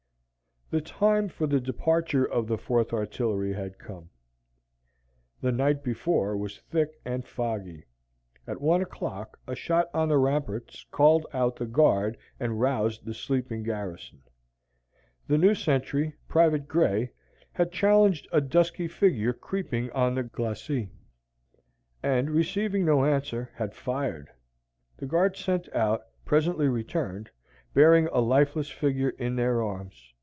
The time for the departure of the Fourth Artillery had come. The night before was thick and foggy. At one o'clock, a shot on the ramparts called out the guard and roused the sleeping garrison. The new sentry, Private Grey, had challenged a dusky figure creeping on the glacis, and, receiving no answer, had fired. The guard sent out presently returned, bearing a lifeless figure in their arms.